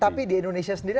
tapi di indonesia sendiri